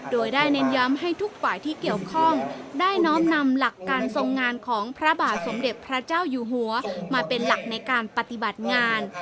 โดยได้เน้นย้ำให้ทุกฝ่ายที่เกี่ยวข้องได้น้อมนำหลักการทรงงานของพระบาทสมเด็จพระเจ้าอยู่หัวมาเป็นหลักในการปฏิบัติงาน